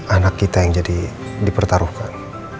anak kita yang jadi dipertaruhkan